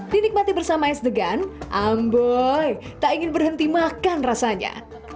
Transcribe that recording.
dinikmati bersama es degan amboy tak ingin berhenti makan rasanya